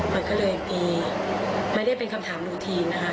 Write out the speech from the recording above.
มันก็เลยมีไม่ได้เป็นคำถามดูทีนนะคะ